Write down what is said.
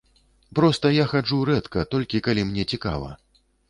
Проста я хаджу рэдка, толькі калі мне цікава.